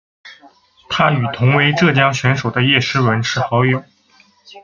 她与同为浙江选手的叶诗文是好友。